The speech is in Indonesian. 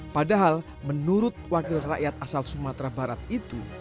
padahal menurut wakil rakyat asal sumatera barat itu